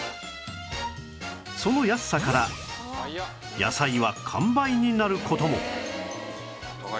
その安さから野菜は完売になる事も